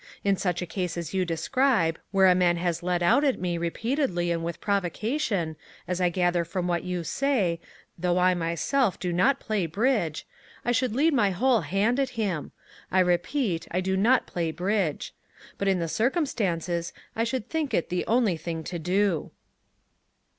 In such a case as you describe, where a man has led out at me repeatedly and with provocation, as I gather from what you say, though I myself do not play bridge, I should lead my whole hand at him. I repeat, I do not play bridge. But in the circumstances, I should think it the only thing to do."